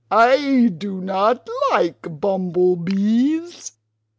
"I do not like bumble bees.